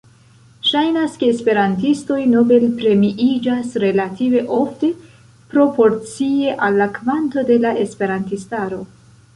Ŝajnas ke esperantistoj Nobel-premiiĝas relative ofte, proporcie al la kvanto de la esperantistaro.